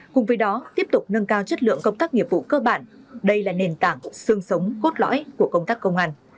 cùng với đó tiếp tục nâng cao chất lượng công tác nghiệp vụ cơ bản đây là nền tảng xương sống gốt lõi của công tác công an